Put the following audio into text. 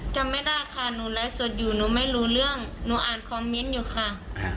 จำไม่ได้ค่ะหนูไลฟ์สดอยู่หนูไม่รู้เรื่องหนูอ่านคอมเมนต์อยู่ค่ะ